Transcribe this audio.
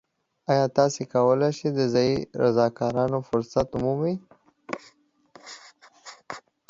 ایا تاسو کولی شئ د ځایی رضاکارانه فرصت ومومئ؟